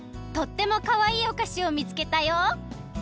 とってもかわいいおかしをみつけたよ。